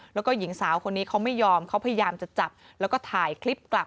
แล้วก็หญิงสาวคนนี้เขาไม่ยอมเขาพยายามจะจับแล้วก็ถ่ายคลิปกลับ